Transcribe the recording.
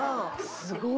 すごい。